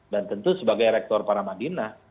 dan tentu sebagai rektor para madinah